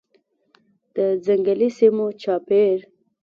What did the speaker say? د ځنګلي سیمو چاپیر